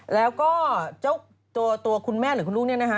แล้วก็เจ้าตัวคุณแม่หรือคุณลูกเนี่ยนะคะ